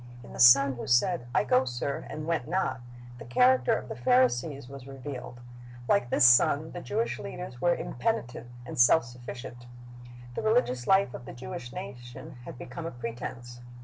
In the son who said, "I go, sir," and went not, the character of the Pharisees was revealed. Like this son, the Jewish leaders were impenitent and self sufificient. The religious life of the Jewish nation had become a pretense.